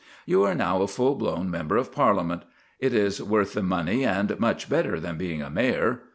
You are now a full blown member of Parliament; it is worth the money and much better than being a mayor.